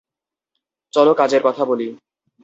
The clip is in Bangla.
চলো কাজের কথা বলি।